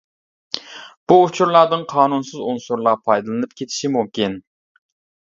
بۇ ئۇچۇرلاردىن قانۇنسىز ئۇنسۇرلار پايدىلىنىپ كېتىشى مۇمكىن.